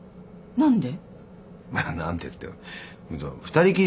何で？